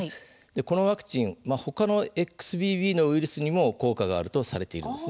このワクチン他のＸＢＢのウイルスにも効果があるとされています。